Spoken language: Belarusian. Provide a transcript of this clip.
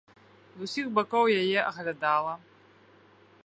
З усіх бакоў яе аглядала.